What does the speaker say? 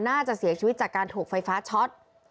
น่าจะเสียชีวิตจากการถูกไฟฟ้าช็อต